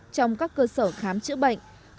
trong các cơ sở khám chữa bệnh